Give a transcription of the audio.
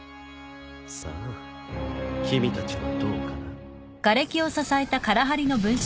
さあ君たちはどうかな？